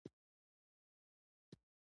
د برټانوي هند سره د اړیکو بهترولو ته یې پام شو.